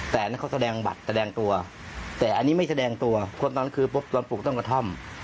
แต่อันนั้นเขาแสดงบัตรแสดงตัวแต่อันนี้ไม่แสดงตัวคนตอนนั้นคือปุ๊บตอนปลูกต้นกระท่อม